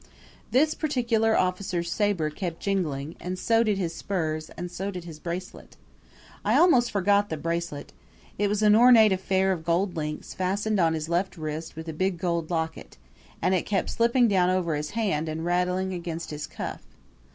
This particular officer's saber kept jingling, and so did his spurs, and so did his bracelet. I almost forgot the bracelet. It was an ornate affair of gold links fastened on his left wrist with a big gold locket, and it kept slipping down over his hand and rattling against his cuff.